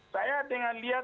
saya dengan lihat